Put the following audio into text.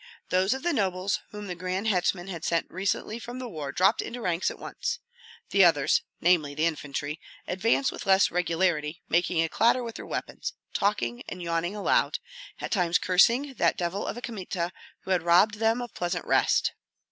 Those of the nobles whom the grand hetman had sent recently from the war dropped into ranks at once; the others, namely the infantry, advanced with less regularity, making a clatter with their weapons, talking and yawning aloud, at times cursing that devil of a Kmita who had robbed them of pleasant rest.